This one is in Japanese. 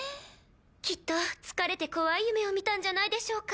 きっと疲れて怖い夢を見たんじゃないでしょうか？